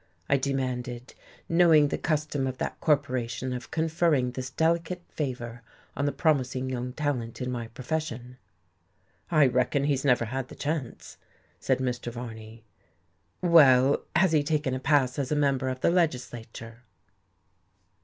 I demanded, knowing the custom of that corporation of conferring this delicate favour on the promising young talent in my profession. "I reckon he's never had the chance," said Mr. Varney. "Well, has he taken a pass as a member of the legislature?"